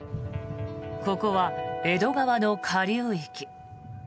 ここは江戸川の下流域。